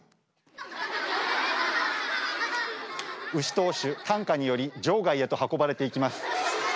投手担架により場外へと運ばれていきます。